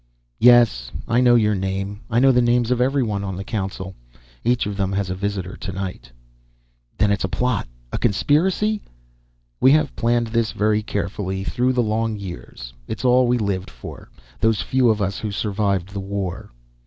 "Yes, I know your name. I know the names of everyone on the council. Each of them has a visitor tonight." "Then it is a plot, a conspiracy?" "We have planned this very carefully, through the long years. It's all we lived for, those few of us who survived the war."